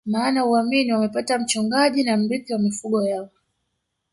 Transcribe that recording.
Maana huamini wamempata mchungaji na mrithi wa mifugo yao